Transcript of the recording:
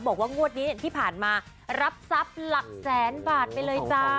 บอกว่างวดนี้ที่ผ่านมารับทรัพย์หลักแสนบาทไปเลยจ้า